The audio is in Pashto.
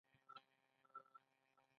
جگر شاوخوا پنځه سوه ډوله انزایم لري.